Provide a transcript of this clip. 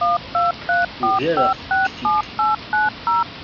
Ugareɣ-t deg tiddi.